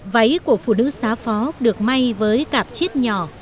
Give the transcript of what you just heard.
váy của phụ nữ xá phó được may với cả chiết nhỏ